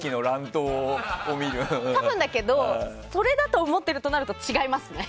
多分だけどそれだと思ってるとなると違いますね。